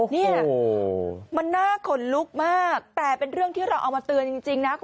เนี่ยมันน่าขนลุกมากแต่เป็นเรื่องที่เราเอามาเตือนจริงนะ